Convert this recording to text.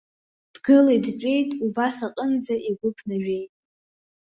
Дгылеит, дтәеит, убас аҟынӡа игәы ԥнажәеит.